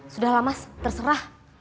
sudahlah mas terserah